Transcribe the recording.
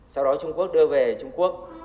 sau đó trung quốc đưa về trung quốc